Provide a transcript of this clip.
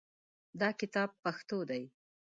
دا کتاب پښتو دی